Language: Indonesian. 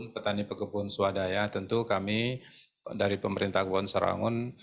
petani pekebun swadaya tentu kami dari pemerintah kewon sarawangun